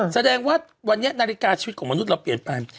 แสดงว่าวันนี้นาฬิกาชีวิตของมนุษย์เราเปลี่ยนไป